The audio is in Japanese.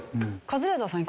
カズレーザーさん